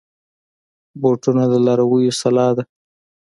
بوټونه د لارویو سلاح ده.